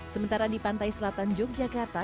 sementara di pantai selatan yogyakarta